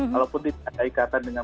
kalaupun diperkata ikatan dengan